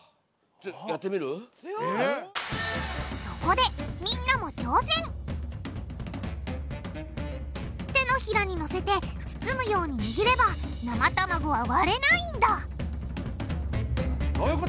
そこでみんなも挑戦手のひらにのせて包むようににぎれば生卵は割れないんだ！